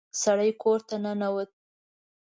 سړی کور ته ننوت.